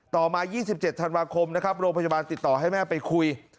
ต่อมา๒๗ธันวาคมนะครับโรงพยาบาลติดต่อให้แม่ไปคุย